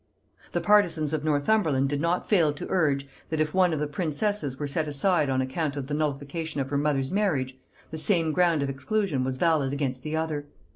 The partisans of Northumberland did not fail to urge, that if one of the princesses were set aside on account of the nullification of her mother's marriage, the same ground of exclusion was valid against the other.